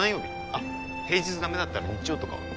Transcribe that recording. あ平日ダメだったら日曜とかは？